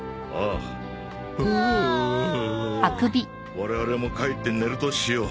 我々も帰って寝るとしよう。